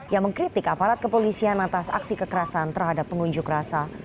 yang mengkritik aparat kepolisian atas aksi kekerasan terhadap pengunjuk rasa